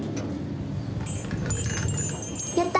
やった！